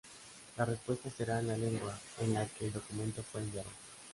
La respuesta será en la lengua en la que el documento fue enviado.